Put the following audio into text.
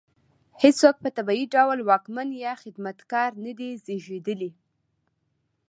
هېڅوک په طبیعي ډول واکمن یا خدمتګار نه دی زېږېدلی.